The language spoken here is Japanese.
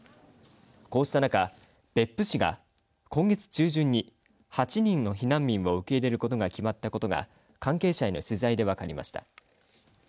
こうした中、別府市が今月中旬に８人の避難民を受け入れることが決まったことが関係者への取材で分かりました。